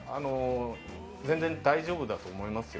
全然大丈夫だと思いますよ。